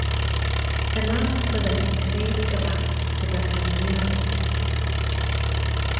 Yna, byddent yn creu graff gyda'r canlyniadau